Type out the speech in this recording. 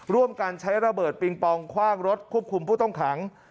ร่วมกันใช้ระเบิดปิงปองคว่างรถควบคุมผู้ต้องขัง